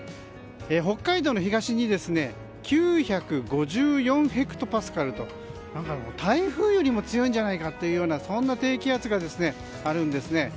北海道の東に９５４ヘクトパスカルと台風よりも強いんじゃないかというそんな低気圧があるんですね。